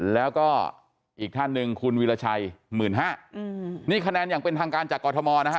แล้วก็อีกท่านหนึ่งคุณวิราชัย๑๕๐๐นี่คะแนนอย่างเป็นทางการจากกรทมนะฮะ